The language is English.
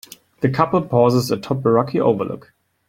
The couple pauses atop a rocky overlook.